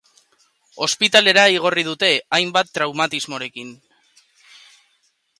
Ospitalera igorri dute, hainbat traumatismorekin.